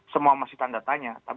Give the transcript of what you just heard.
semua masih tanda tanya